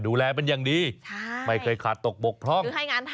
ดูแลเป็นอย่างดีใช่ไม่เคยขาดตกบกพร่อง